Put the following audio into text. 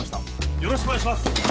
よろしくお願いします！